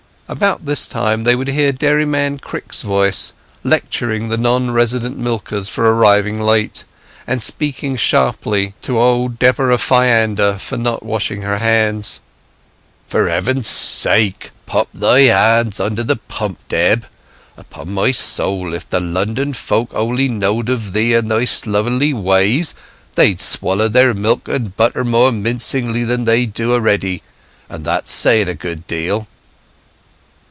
About this time they would hear Dairyman Crick's voice, lecturing the non resident milkers for arriving late, and speaking sharply to old Deborah Fyander for not washing her hands. "For Heaven's sake, pop thy hands under the pump, Deb! Upon my soul, if the London folk only knowed of thee and thy slovenly ways, they'd swaller their milk and butter more mincing than they do a'ready; and that's saying a good deal."